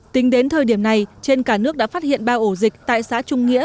tính đến thời điểm này trên cả nước đã phát hiện ba ổ dịch tại xã trung nghĩa